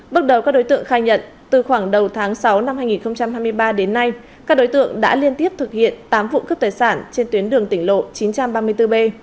bước đầu các đối tượng khai nhận từ khoảng đầu tháng sáu năm hai nghìn hai mươi ba đến nay các đối tượng đã liên tiếp thực hiện tám vụ cướp tài sản trên tuyến đường tỉnh lộ chín trăm ba mươi bốn b